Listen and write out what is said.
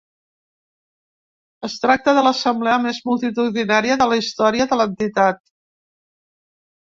Es tracta de l’assemblea més multitudinària de la història de l’entitat.